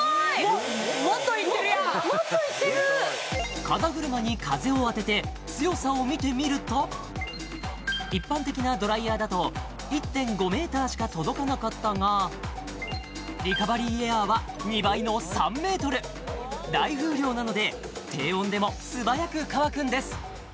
もっといってるやんもっといってる風車に風を当てて強さを見てみると一般的なドライヤーだと１．５ｍしか届かなかったがリカバリーエアーは２倍の３ｍ大風量なので低温でも素早く乾くんです